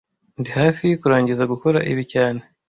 Ndi hafi kurangiza gukora ibi cyane